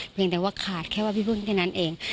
เพียงแต่ว่าขาดแค่ว่าพี่พึ่งแค่นั้นเอง